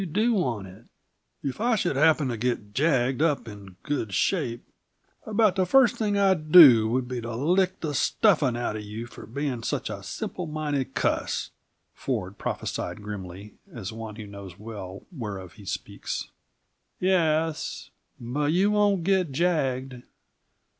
"You do want it." "If I should happen to get jagged up in good shape, about the first thing I'd do would be to lick the stuffing out of you for being such a simple minded cuss," Ford prophesied grimly, as one who knows well whereof he speaks. "Ye es but you won't get jagged."